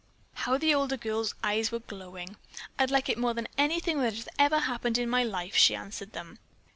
How the older girl's eyes were glowing! "I'd like it more than anything that has ever happened in my life," she answered them.